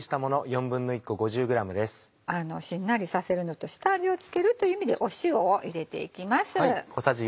しんなりさせるのと下味を付けるという意味で塩を入れていきます。